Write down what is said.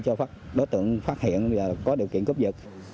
cho đối tượng phát hiện có điều kiện cướp dật